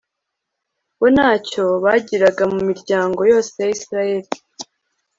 bo nta cyo bagiraga, mu miryango yose ya israheli